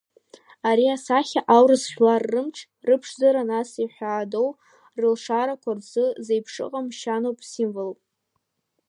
Ари асахьа аурыс жәлар рымч, рыԥшӡара, нас иҳәаадоу рылшарақәа рзы зеиԥшыҟам шьаноуп, символуп.